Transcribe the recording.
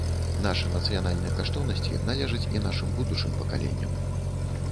Нашы нацыянальныя каштоўнасці належаць і нашым будучым пакаленням.